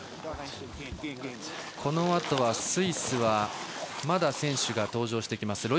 このあとはスイスはまだ選手が登場してきます。